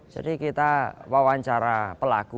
jadi kita wawancara pelanggan